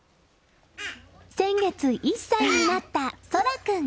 先月１歳になった蒼響君。